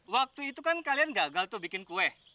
waktu itu kan kalian gagal tuh bikin kue